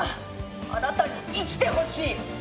あなたに生きてほしい。